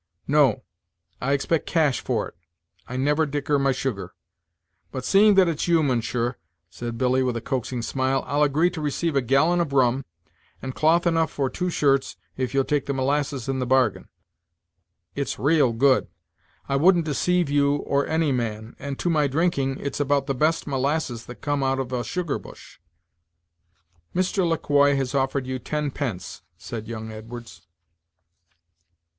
"No, I expect cash for it; I never dicker my sugar, But, seeing that it's you, mounsher," said Billy, with a Coaxing smile, "I'll agree to receive a gallon of rum, and cloth enough for two shirts if you'll take the molasses in the bargain. It's raal good. I wouldn't deceive you or any man and to my drinking it's about the best molasses that come out of a sugar bush." "Mr. Le Quoi has offered you ten pence," said young Edwards.